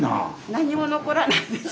何も残らないです